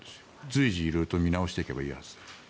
随時、色々と見直していけばいいはずで。